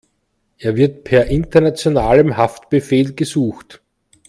Er wird per internationalem Haftbefehl gesucht.